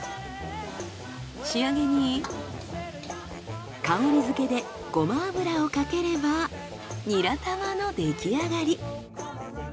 仕上げに香りづけでゴマ油をかければニラ玉の出来上がり。